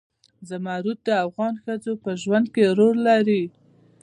زمرد د افغان ښځو په ژوند کې رول لري.